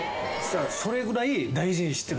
それぐらい大事にしてる。